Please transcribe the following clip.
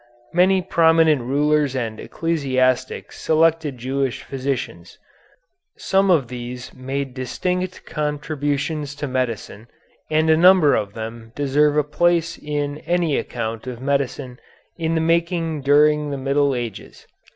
Many prominent rulers and ecclesiastics selected Jewish physicians. Some of these made distinct contributions to medicine, and a number of them deserve a place in any account of medicine in the making during the Middle Ages.